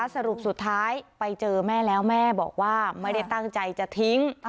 สรุปสุดท้ายไปเจอแม่แล้วแม่บอกว่าไม่ได้ตั้งใจจะทิ้ง